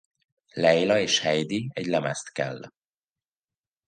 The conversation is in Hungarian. Leila és Heidi egy lemezt kell.